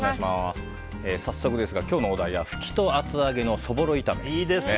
早速ですが今日のお題はフキと厚揚げのそぼろ炒めです。